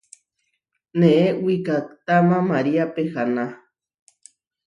Neé wikahtáma María pehána.